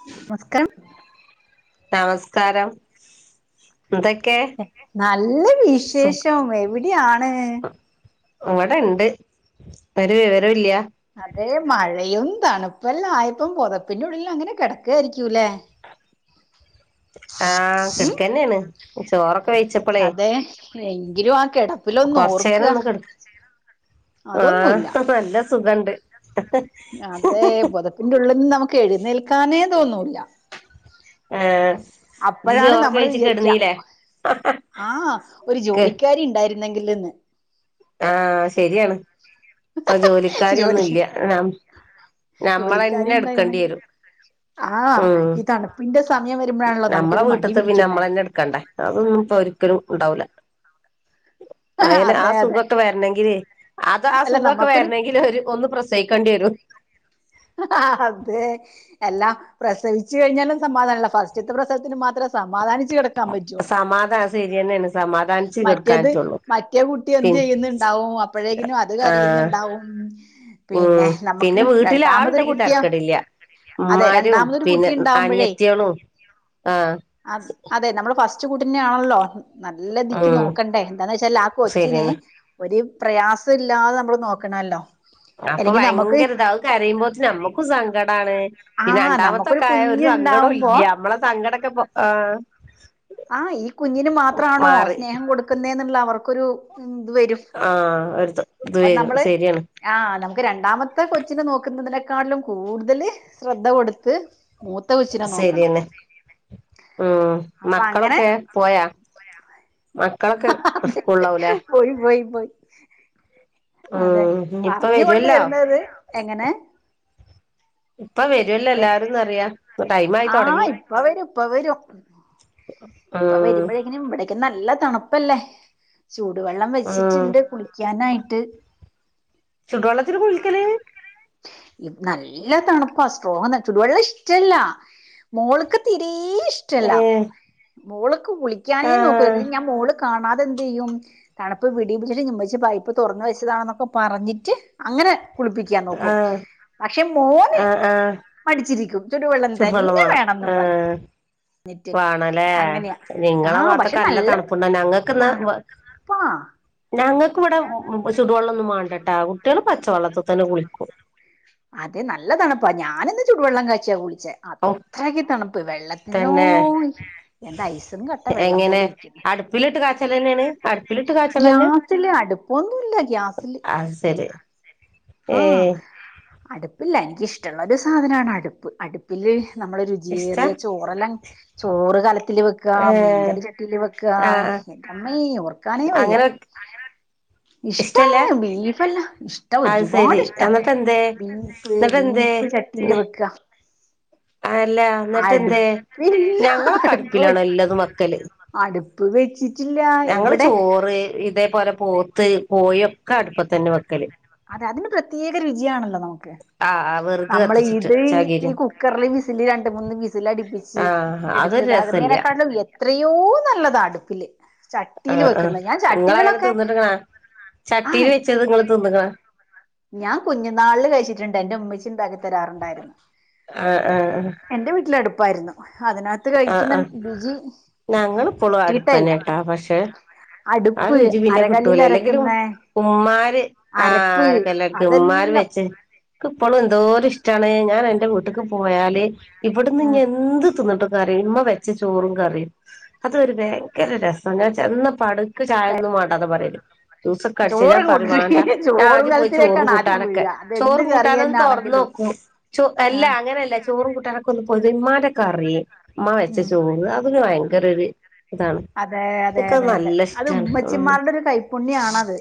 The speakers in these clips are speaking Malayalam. [unintelligible] നമസ്കാരം എന്തൊക്കെ നല്ല സു വിശേഷം എവിടെയാണ്. വടണ്ട് ഒരു വിവരും ഇല്ല്യ. അതേ മഴയും. തണുപ്പല്ല ആയപ്പം പൊതപ്പിന്റെ ഉള്ളിലങ്ങനെ കിടക്കായിരിക്കൂല്ലേ? ആഹ ഉം കെടക്കന്നേണ് ചോറൊക്കെ വെയ്ച്ചപ്പളെ. ഭയങ്കരും [unintelligible] കൊർച്ചേരം ഒന്ന് കെട്ക്കാ അതൊന്നുമില്ല ആഹഹ നല്ല സുഖണ്ട്. അതെ പുതപ്പിന്റെ ഉള്ളിൽനിന്ന് നമുക്ക് എഴുന്നേൽക്കാനേ തോന്നൂല ആഹ. അപ്പോഴാണ് നമ്മള് വിചാരിക്ക ആഹ ഒരു ജോലിക്കാരി ഉണ്ടായി. ഉണ്ടെങ്കിലെന്ന്. ആഹ ശരിയാണ് ഇപ്പൊ ജോലിക്കാരിയൊന്നും ജോലി ഇല്ല. ജോലിക്കാരി നമ്മളന്നെ എടുക്കേണ്ടി വരും ഉണ്ടായിര്ന്നെങ്കിആഹ് ഈ തണുപ്പിന്റെ സമയം വരുമ്പോഴാണല്ലോ. നമ്മള നമുക്കൊരു മടി വീട്ട്ത്തെ പിന്നെ പിടിക്കുന്നേ നമ്മളെന്നെ ട് ക്കണ്ടേ അതൊന്നും ഇപ്പൊ ഒരിക്കലും ണ്ടാവൂല. അയിന് ആ അതെ സ്. അതെ സുഖൊക്കെ വരണങ്കിലെ അത് ആ അല്ല സുഖോക്കെ നമ്മക്കൊരു വേര്നെങ്കിലെ ഒര് ഒന്ന് പ്രസവിക്കണ്ടിയെരും. ആ അതെ എല്ലാ പ്രസവിച്ചു കഴിഞ്ഞാലും സമാധാനല്ല ഫസ്റ്റ്ത്തെ പ്രസവത്തിന് മാത്രം. സമാധാനിച്ച് കെട്. പറ്റുള്ള സമാധാന ശരിയെന്നെയാണ് സമാധാനിച്ച് കെടുക്കാൻ മറ്റേത് പറ്റുള്ളൂ മറ്റേ കുട്ടി പി എന്ത് ചെയ്യുന്നുണ്ടാവും അപ്പോഴേക്കിനും അത് ആഹ് കരയുന്നുണ്ടാകും ഉം പിന്നെ നമ്മക് പിന്നെ വീട്ടിൽ രണ്ടാമതൊരു ആളുണ്ടെങ്കി കുട്ടിയാ തരക്കേടില്ല അതെ ഉമ്മാരും രണ്ടാമതൊരു പിന്നെ കുട്ടി ഉണ്ടാവുമ്പോഴേ അനിയത്തികളും ആഹ് അ അതെ നമ്മള് ഫ - അച്ചക്കുട്ടിനാണല്ലോ നല്ലദിക്ക് ഉം നോക്കണ്ടേ എന്താന്ന് വെച്ചാൽ ആ കൊച്ചിനെ ശരിയാണ് ഒരു പ്രയാസം ഇല്ലാതെ നമ്മള് നോക്കണല്ലോ ഞാൻ പ്പം അല്ലെങ്കിൽ നമുക്ക് ഭയങ്കര ഇതാവക യുമ്പോ നമ്മുക്കും സങ്കടാണ് ആ പിന്നെ നമുക്കൊരു രണ്ടാമത്തൊക്കെ ആയ ഒരു സങ്കടുല്ല കുഞ്ഞുണ്ടാവുമ്പോ നമ്മളെ സങ്കടെ ആഹ് ആഹ് ഈ കുഞ്ഞിന് മാത്രണോ മാറി സ്നേഹം കൊടുക്കുന്നെ എന്നുള്ള അവർക്കൊരു വരും ആഹ് ഒരു ഇത് അപ്പൊ വരും നമ്മള് ശരിയാണ് ആ നമുക്ക് രണ്ടാമത്തെ കൊച്ചിനെ നോക്കുന്നതിന ക്കാട്ടിലും കൂടുതല് ശ്രദ്ധ കൊടുത്ത് മൂത്ത കൊച്ചിനെ നോക്കണം ശരിയെന്നെ ഉം അപ്പൊ അങ്ങനെ മക്കളൊക്കെ പോയാ മക്കളൊക്കെ സ്കൂളിലാവു ല്ലേ പോയി പോയി പോയി അതെ ഉം ഇനിയിപ്പ പറഞ്ഞ കൊണ്ട വരുവല്ലോ വരുന്നത് എങ്ങനെ ഇപ്പൊ വരുവല്ലോ എല്ലാരുംന്നറിയാ ടൈം ആയി ആഹ് തൊടങ്ങി ഇപ്പ വരും ഇപ്പ വരും ഇപ്പൊ ഉം വരുമ്പോഴേങ്ങനും ഇവിടേക്കും നല്ല തണുപ്പല്ലേ ചൂടുവെള്ളം ഉം വെച്ചിട്ടുണ്ട് കുളിക്കാനായിട്ട് ചുടോവെള്ളത്തില കുളിക്കലേ നല്ല തണുപ്പാ സ്ട്രോങ് ചുടുവെള്ളം ഇഷ്ടല്ല മോൾക്ക് തീരെ ഹേ ഇഷ്ടല്ല മോൾക്ക് കുളിക്കാനേ നോകൂല എന്നട്ട് ഞാൻ മോക്ക് കാണാതെന്ത് ചെയ്യും തണുപ്പ് വടീപ്പിച്ട്ട് മ്മച്ചി പൈപ്പ് തുറന്ന വെച്ചതാണെന്നൊക്കെ പറഞ്ഞിട്ട് അന അങ്ങനെ കുളിപ്പിക്കാൻ നോക്കും ആഹ് പക്ഷെ മോന് ആഹ് ആഹ് പഠിച്ചിരിക്കും ചുടുവെള്ളം തന്നെ വേണം വേണെന്നും പറഞ്ഞു ആഹ് എന്നിട്ട് വേണല്ലേ അങ്ങനെയാ നിങ്ങളെ ആഹ് പക്ഷെ ഭാഗത്തൊക്കെ നല്ല തണുപ്പുണ്ട ഞങ്ങൾക്ക്ന്ന് തണു പ ഞങ്ങൾക്ക് ഇവിടെ ചുടുവെള്ളൊന്നും വേണ്ടട്ടെ ആ കുട്ടികൾ പച്ചവെള്ളത്തിൽ തന്നെ കുളിക്കും അതെ നല്ല താണപ്പാ ഞാനിന്ന് ചൂടുവെള്ളം കാച്ചിയ കുളിച്ചേ ഔ അത്രക്കി തണുപ്പ് വെള്ളത്തിനോ തന്നെ എന്താ ഐസും കട്ട വെള്ളം എങ്ങനെ പോലെ ഇരിക്കില്ല അടുപ്പിലിട്ട് കാച്ചല് തന്നെയാണ് അടുപ്പിലിട്ട് കാച്ചല് തന്നെ ഗ്യാസില് അടുപ്പൊന്നുമല്ല ഗ്യാസില് അത് ശരി ആഹ് ഏഹ് അടുപ്പില്ല എനിക്കിഷ്ടമുള്ള ഒരു സാധനമാണ് അടുപ്പ് അടുപ്പില് നമ്മൾ ഇഷ്ടാ രുചിയേറിയ ചോറെല്ലാം ചോറ് കലത്തില് വെ ക്ക ഏഹ് മീൻകറി ചട്ടിൽ വെക്കാ ആഹ് ആഹ് എമ്മേ ഓർക്കാനേ വയ്യ അങ്ങനെ ഇഷ്ടല്ല ഇഷ്ടാണ് ബീഫല്ല അത് ഒരുപാട് ശരി ഇഷ്ട എന്നിട്ട് എന്തേ ബീഫ് എന്നിട്ട് എന്തേ ബീഫ് ചട്ടിയില് വെക്കുക ആല്ല എന്നിട്ട് എന്തേ ഞങ്ങളൊക്ക അടുപ്പ് വെ അടുപ്പിലാണോല്ലത് വെക്കല് അടുപ്പ് വെച്ചിട്ടില്ല ഞങ്ങള് ഇവിടെ ചോറ് ഇതേപോലെ പോത്ത് കോയൊക്കെ അടുപ്പതന്നെ വെക്കല് അതെ അതിന് പ്രത്യേക രുചിയ ആണല്ലോ നമുക്ക് ആഹ് ആഹ് വിറക് നമ്മള് കത്തിച്ചിട്ട് ഇത് ചകിരി ഈ കുക്കറില് വിസിൽ രണ്ട് മൂന്ന് വിസൽ അടിപ്പിച്ച് ആഹ് അതൊരു എടുത്തതാ രസല്ല ഇരുന്നതിനെക്കാട്ടിലും എത്രയോ നല്ലതാ അടുപ്പില് ചട്ടീല് ആഹ് ആഹ് വെക്കുന്നെ ഞാൻ നിങ്ങളങ്ങനെ ചട്ടികളൊക്കെ തിന്നിട്ട്ക്കണാ ആ ചട്ടിയിൽ വെച്ചത് നിങ്ങള് തിന്ന്ക്കണാ ഞാൻ കുഞ്ഞുനാളില് കഴിച്ചിട്ടുണ്ട്. എറെ ഉമ്മച്ചിണ്ടാക്കി തരാറുണ്ടായിരുന്നു ആഹ് ആഹ് ആഹ് എന്റെ വീട്ടില് അടുപ്പായിരുന്നു അതിനകത്ത് ആഹ് കഴിക്കുന്ന ആ രുചി ഞങ്ങള് ഇപ്പോളും കിട്ടിയിട്ടേ ഇല്ല അടുപ്പന്നേട്ടോ പക്ഷേ ആ അടുപ്പ് രുചി പിന്നെ അരകല്ലിൽ കിട്ടൂല അല്ലെങ്കിലും അരക്കുന്ന ഉമ്മാര് അരപ്പ് ആരൊക്കെല്ലാം മ്മാര് അതെല്ലാം വെച്ച് എനി ഇപ്പോളും എന്തോര ഇഷ്ടാണ് ഞാൻ എൻറെ വീട്ടക്ക് പോയാല് ഇവിടുന്ന് ഉം എന്ത് തിന്നട്ടും. കറി ഇമ്മ വെച്ച ചോറും കറിം അതരു ഭയങ്കര രസം ഞാൻ ചെന്ന പ എനിക്ക് ചായൊന്നും വണ്ടാന്ന് പറയൽ ജ്യൂസൊക്കെ അടിച്ച ഞാൻ ചോറും പറിം വണ്ട കൊണ്ടിരിക്കും ഞാൻ ചോറും ആദ്യം പോയി ചോറും കലത്തിലേക്കാണ് ആദ്യം കൂട്ടാനൊക്കെ വീഴുക അതെന്ത് ചോറും കറി കൂട്ടാനൊന്ന് തന്നെ ആണെങ്കിലും തുറന്നോക്കും ചോ അല്ല ആഹ് അങ്ങനെല്ല ചോറും കൂട്ടാനൊക്കെ ഒന്ന് പോത് ഇമ്മാര കറി മ്മ വെച്ച ഉം ചോറ് അതിന് ഭയങ്കര ഒരു ഇതാണ് അതെ അതെ ഇൻക്കത് അതെ അതെ നല്ല അത് ഇഷ്ടാണ് ഉം ഉമ്മച്ചിമാരുടെ ഒരു കൈപ്പുണ്യണത്.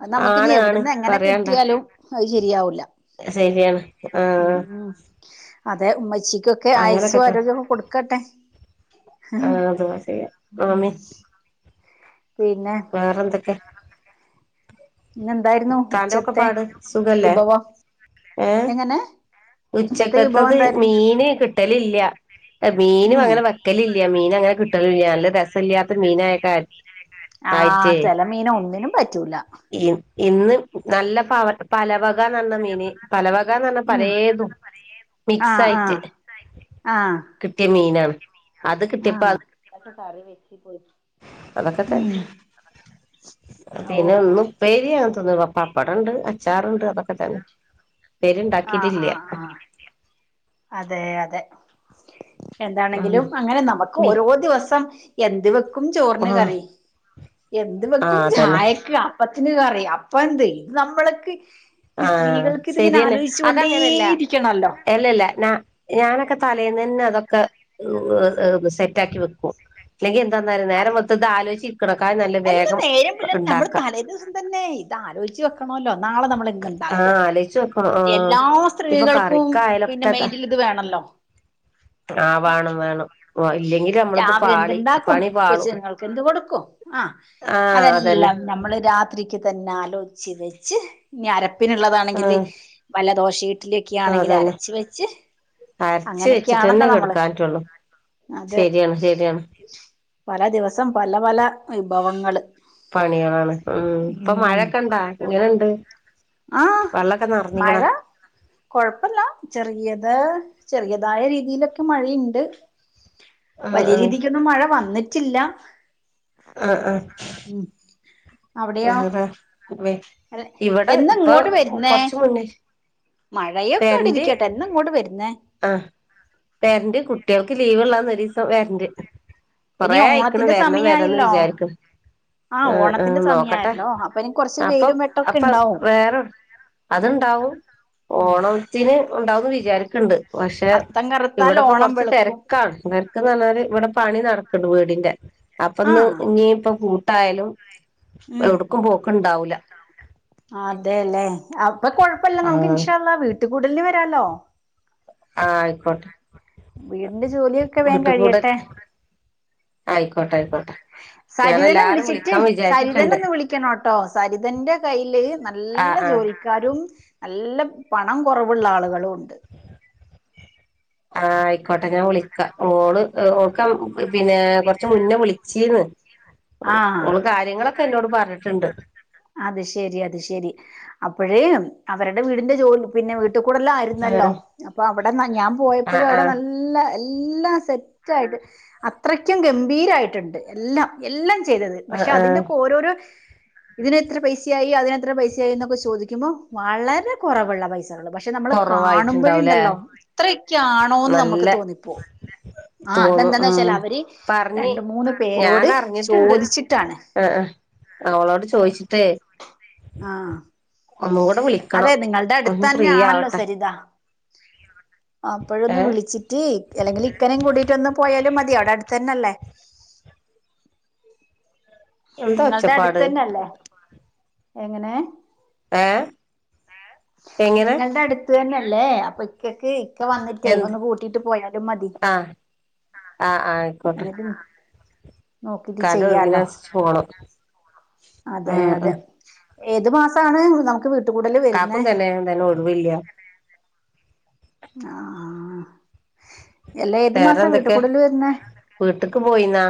അ നമുക്കിനി ആണ് ആണ് എവിടന്നങ്ങനെ പറയാണ്ട കിട്ടിയാലും അത് ശരിയാവുല. ശരിയാണ് ആ. അതെ ഉമ്മച്ചിക്കൊക്കെ ആയസും തന്നെ ആരോഗ്യം കൊടുക്കട്ടെ. ഹ്.... ആഹ് ദുആ ചെയ്യാ ഹ് ആമീൻ വേറെന്തൊക്കെ? പിന്നന്തായിരുന്നു ഇത്താന്റെ ഒക്കെ ഉച്ചത്തെ പാട് സുഖല്ലേ വിഭവം? ഏഹ് എങ്ങനെ? ഉച്ചത്തെ വിഭവം ഉച്ചക്കത്തത് എന്തായിരുന്നു മീന് കിട്ടലില്ല. മീന ഉം അങ്ങനെ വെക്കലില്ല മീനങ്ങനെ കിട്ടലില്ലല്ല നല്ല രസല്ലാത്ത മീനായക്കാര്. ആഹ് ചെലമീനൊന്നിനും പറ്റൂല. ഇ ഇന്ന് നല്ല പവ പലവകന്ന മീന് പല കന്ന് പറഞ്ഞ ഉം പലേതും ആഹ് മിക്സയിട്ട് ആഹ് ആഹ് കിട്ടിയ മീനാണ്. അത് കിട്ടിയപ്പോ ആഹ് അത് കറി വെച്ചു പൊരിച്ചു അതൊക്കെതന്നെ ഉം ഓ പിന്നെന്നുപ്പേരി പപ്പടണ്ട് അച്ചാറുണ്ട് അതൊക്കെതന്നെ. ആഹ ആഹ് ആഹ അതെ അതെ ഉം എന്താണെങ്കിലും അങ്ങനെമുക്ക് മി ഓരോ ദിവസം എന്ത് വെക്കും ചോറിന് ആഹ് കറി എന്ത് വെക്കും ആഹ് അതന്നെ ചായക്ക് പത്തിന് കറി അപ്പന്ത് ഇത് നമ്മളക്ക് ഈ ആ സ്ത്രീകൾക്ക് ഇതിങ്ങനെ ശര്യാണ്. ആലോചിച്ചു കൊണ്ടേ അതങ്ങനെല്ല ഇരിക്കണല്ലോ അല്ലല്ല ഞാനൊക്കെ തലേന്ന. അതൊക്കെ സെറ്റാക്കി വെക്കും. ന്ന നേരം അതെ വെള്ത്തതിലോച്ചിര്ക്ക്ണാലും നല്ല എല്ലാ വേഗം നേരം പിള്ളേർ നമ്മൾ ണ്ടാക്ക. തലേ ദിവസം തന്നെ ഇത് ആലോചിച്ച് വെക്കണല്ലോ നാളെ നമ്മള് ണ്ടാക്കും ആലോചിച്ച് വെക്കണം ആഹ് എല്ലാ ഇപ്പൊ സ്ത്രീകൾക്കും പിന്നെ കറിക്കായാലൊക്കെ മെന്ഡ്ൽ ഇത് വേണല്ലോ? [inaudible] ആ വേണം വേണം. ഇല്ലെങ്കിൽ നമ്മളിത് രാവിലെ പാളി ന്ത്‌ണ്ടാക്കും പണി പാളും കൊച്ചുങ്ങൾക്ക് എന്ത് കൊടുക്കും ആ ആഹ് അതന്നെ അതെല്ലാം നമ്മള് രാത്രിക്ക് തന്നേ - ആലോചിച്ച വെച് ഞ്ഞി അരപ്പിനുള്ളതാണെങ്കിൽ ആഹ് വല്ല ദോശ് ഇഡലി ഒകെ ആണെങ്കിൽ അതന്നെ അരച്ച് വെച്ച് അരച്ച് അങ്ങനെയൊക്കെയാണല്ലോ വെച്ചിട്ട്ന്നെ നമ്മള് കെടുക്കാൻ പറ്റുള്ളൂ അത ശരിയാണ് ശരിയാണ് പല ദിവസം പല പല വിഭവങ്ങള്. പണികളാണ് പ്പൊ ഉം മഴക്കെ ണ്ടാ ഇങ്ങനെണ്ട്? ആഹ് വെള്ളൊക്കെ നിറഞ്ഞിക്കണ മഴ കൊഴപ്പല്ല ചെറിയത്. ചെറിയതായ രീതിയിലൊക്കെ മഴയുണ്ട് ആ വലിയ രീതിക്കൊന്നും മഴ വന്നി ട്ടില്ല. ആ ആ ആ അവിടെയോ ആ അല്ല ഇവിടെ എന്നാ പ്പൊ ഇങ്ങോട്ട് വരുന്നേ കൊറച് മുന്നേ മഴയൊക്കെ ടിരിക്കട്ടെ എന്നാങ്ങോട്ട് വരുന്നേ? വെരന്റ് കുട്ടികൾക്ക് ലീവ്ള്ളനന്നൊരീസം വെരന്റ്. ഇനി കൊറെ ആയിക്കണ് ഓണത്തിന്റെ വരണം വരണെന്ന് സമയായല്ലോ വിചാരിക്കണ. ആഹ് ആ ആ ഓണത്തിന്റെ നോക്കട്ടെ സമയായല്ലോ അപ്പൊ ഇനി കൊറച്ച് അപ്പൊ വെയിലും വെട്ടൊക്കെ അപ്പൊ ഇണ്ടാവും വേറെ അത്ണ്ടാവും ഉം ഓണത്തിന് ഉണ്ടാവന്ന് വിചാരിക്കണ്ട്. പക്ഷെ അത്തം കറുത്താൽ ഇവിടെപ്പ ഓണം കുറച്ച് വെളുക്കും തിരക്കാണ് ഇവര്ക്ക്ന്ന് പറഞ്ഞാല് ഇവിടെ പണി നട വീടിന്റെ അപ്പൊ ന്ന് ആഹ് ഇനി ഇപ്പ പൂട്ടായാലും ഉം എവിടുക്കും പോക്ക് ഇണ്ടാവ- അതെല്ലേ അപ്പൊ കൊഴപ്പമില്ല നമുക്ക് ആഹ് ഇൻഷള്ള വീട്ട കൂടലിന് വരാലോ ആഹ ആയിക്കോട്ടെ വീടിന്റെ ജോലിയൊക്കെ വേൻ വീട്ട് കൂടെ കഴിയട്ടെ ആയിക്കോട്ടെ ആയിക്കോട്ടെ ഞാൻ സരിതനെ എല്ലാരും വിളിച്ചിട്ട് വിളിക്കാൻ സരിതന വിചാരിച്ചിട്ടുണ്ട് ഒന്ന് വിളിക്കണോട്ടോ സരിതന്റെ കയ്യില് ആഹ് നല്ല- ആഹ് ജോലിക്കാരും നല്ല പണം കുറവുള്ള ആളുകളും ഉണ്ട് ആ ആയിക്കോട്ടെ ഞാൻ വിളിക്ക ഓള് ഓൾക്ക- പിന്നെ കൊറച്ച് മുന്നേ വിളിച്ചീന്ന് ആ ഓൾ കാര്യങ്ങളൊക്കെ- എന്നോട് പറഞ്ഞിട്ടുണ്ട് അത് ശെരി അത് ശെരി അപ്പഴേ അവരുടെ വീടിന്റെ ജോലി പിന്നെ- വീട്ടിൽ കൂടല ആഹ് ആയിരുന്നല്ലോ അപ്പൊ അവിടെ ഞാൻ ആഹ് പോയപ്പോഴും അവിടെ ആഹ് നല്ല എല്ലാം സെറ്റ്ായിട്ട് അത്രയ്ക്കും ഗംഭീരായിട്ടുണ്ട് എല്ലാം എല്ലം - ചെയ്തത് ആഹ് പക്ഷെ ആഹ് അതിന്റെക്കെ ഓരോരോ - ഇതിന് എത്ര പൈസയായി അതിനെത്ര പൈസയായി എന്നൊക്കെ ചോദിക്കുമ്പോൾ വളരെ കുറവുള്ള പൈസ- പക്ഷെ നമ്മള് കാണുമ്പോഴ കൊറവായിട്ടുണ്ടാവുംല്ലേ ഉണ്ടല്ലോ എത്രൊക്കൊണോന്ന് നമുക്ക് നല്ല തോന്നിപ്പോ- ആ് തോന്നും അതെന്താന്ന ഉം വെച്ചാല് അവര് പറഞ്ഞ് രണ്ട് മൂന്ന് ഞാൻ പേരോട് അറിഞ്ഞിട്ടുണ്ട് ചോദിച്ചിട്ടാണ് ആ ആ അവളോട് ചോദിച്ചിട്ട്- ആഹ് ഒന്ന് കൂടെ അതെ വിളിക്കണം നിങ്ങളുടെ അടുത്ത് ഒന്ന് ഫ്രീ തന്നെയാണല്ലോ ആവട്ടെ [inaudible] അപ്പോഴൊന്ന് ഏ വിളിച്ചിട്ട് അല്ലെങ്കിൽ ഇക്കനേം കൂട്ടീട്ട് ഒന്ന് പോയാലും മതി അവിടെ അടുതന്നല്ലേ എന്താ നിങ്ങളുടെ ഒച്ചപ്പാട് അടുത്തന്നല്ലേ എങ്ങനെ ഏ എങ്ങനെ നിങ്ങളുടെ അടുത്ത് തന്നല്ലേ അപ്പൊ ഇക്കക്ക് - ക്ക വന്നിട്ടേ എന്ത് ഒന്ന് കൂട്ടിട്ട് പോയാലും മതി ആ ആ [inaudible] നോക്കിട്ട് ക്കാന്റെ ചെയ്യാലോ ഒഴിവിനൻസര്ച് പോണം അതെ ഉം അതെ ഉം ഏത് മാസാണ് നമുക്ക് വീ- കാക്കും തന്നെ എന്തന്നെ ഒഴിവില്ല ആഹ എല്ലാ ഏതു വേറെ മാസം വീട്ട എന്തൊക്കെ കൂടുൽ വരുന്നെ വീട്ട്ക്ക് പോയിന്നാ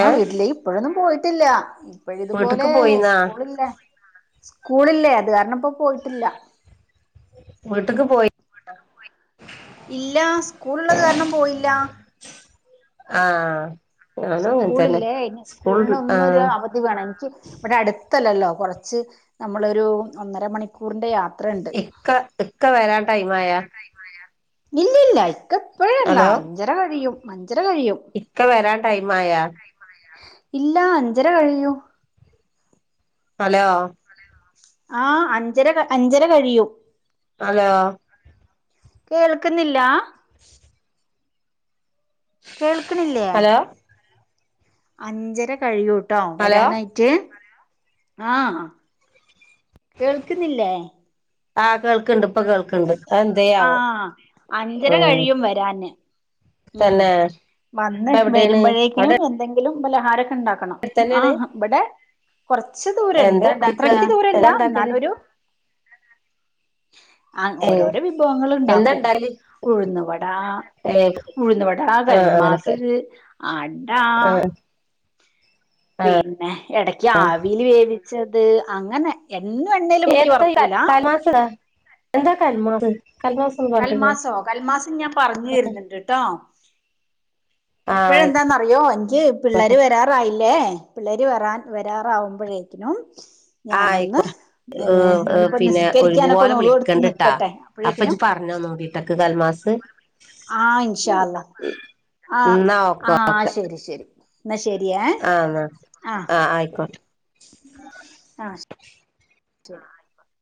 ഏ ആ വീട്ടല് ഇപ്പോഴൊന്നും പോയിട്ടില്ല ഇപ്പഴി ഇതുപോലെ വീട്ട്ക്ക് പോയിന്നാ സ്കൂളില്ലേ സ്കൂളില്ലേ അത് കാരണം ഇപ്പോ പോയിട്ടില്ല വീട്ട്ക്ക് പോയി- ഇല്ല സ്കൂള്ള്ളത് കാരണം പോയില്ല ആഹ സ്കൂള്ല്ലേ ഇനി സ്കൂൾന്ന് ആ ഒന്നൊരു അവധി വേണം എനിക്ക് ഇവിടെ അടുത്തല്ലല്ലോ കുറച്ച് നമ്മളൊരു ഒന്നര മണിക്കൂറിന്റെ യാ- ഇക്ക ഇക്ക വരാൻ ടൈം ആയാ ഇല്ല ഇല്ല ഇക്ക എപ്പഴല്ല ഹലോ അഞ്ചര കഴിയും [inaudible] ഇക്ക വരാൻ ടൈം ആയാ ഇല്ല അഞ്ചര കഴിയും അലോ ആഹ അഞ്ചര അഞ്ചര കഴിയും അലോ കേൾക്കുന്നില്ല കേൾക്കണില്ലേ ഹലോ അഞ്ചര കഴിയൂ- ട്ടോ ഹലോ വരാനായിട്ട് ആഹ കേൾക്കുന്നില്ലേ ആഹ് കേൾക്ക്ണ്ട് ഇപ്പൊ കേൾക്ണ്ട് ആഹ അഞ്ചര കഴിയും വരാന് ഉം തന്നെ വന്ന് ഇപ്പ എവിടെയാണ് വരുമ്പോഴേക്കിനും അവിടെ എന്തെങ്കിലും പലഹാര ഉണ്ടാക്കണം ആ അടുത്തന്നെയാണ് ഇവിടെ കൊറച്ച് ദൂരണ്ട് എന്താ ഇണ്ടാക്ക അത്രക്ക് ദൂരല്ല എന്താ ഇണ്ടാക്കല് എന്നാലൊരു ആ ഏഹ് ഓരോരോ വിഭവങ്ങൾ എന്താ ഉണ്ടാക്കും ഇണ്ടാക്കല് ഉഴുന്നുവട ഏഹ് ഉഴുന്നവട ആ ആഹ് അങ്ങനൊക്കെ കൽമാസ് അടാ ആഹ് പിന്നെ ഇടക്ക് അവിൽ വേവിച്ചത് അങ്ങനെ എന്നും എണ്ണയിൽ മുക്കി എന്താ വറക്കൂല കൽമാസാ എന്താ കൽമാസം കൽമാസോ കൽമാസം ഞാൻ പറഞ്ഞു വരുന്നുണ്ട് ട്ടോ ഇപ്പഴ ആഹ് എന്താന്നറിയോ എനിക്ക് പിള്ളേര് വരാറായില്ലേ പിള്ളേര് വരാൻ വരാറാവുമ്പോഴേക്കും ആഹ് ഞാനൊന്ന് ഏ ഇപ്പൊ പിന്നെ നിസ്കരിക്കാനൊക്കെ ഒഴിവുപോലെ ഒന്ന് ഓള് എടുത്ത് നിക്കട്ടെ അപ്പോഴേക്കിനും നോടി ടക്ക് കൽമാസ ആ ഇൻഷാ അള്ളാ ആ എന്നാ ഓക്ക ആ ഓക്കെ ശരി ശരി എന്നാ ശരിയേ ആണ ആ ആഹ ആയിക്കോട്ടെ ആഹ് ആ [inaudible]